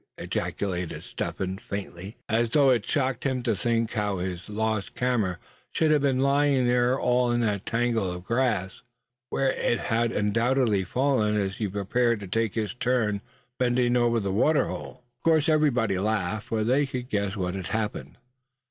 ejaculated Step Hen faintly, as though it shocked him to think how his lost camera should have been lying there in all that tangle of grass, where it had undoubtedly fallen as he prepared to take his turn bending over the water hole. Of course everybody laughed, for they could guess what had happened.